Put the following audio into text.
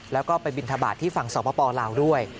แล้วก็ไปบินทบาทที่ฝั่งสปลาวด้วย